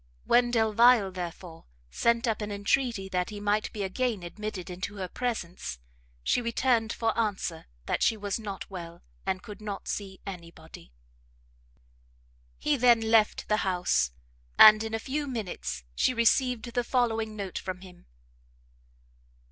When Delvile, therefore, sent up an entreaty that he might be again admitted into her presence, she returned for answer that she was not well, and could not see any body. He then left the house, and, in a few minutes, she received the following note from him.